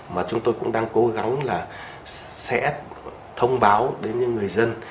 mà chúng tôi cũng đang cố gắng là sẽ thông báo đến những người dân